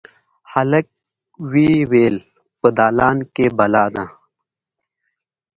هلک ویې ویل: «په دالان کې بلا ده.»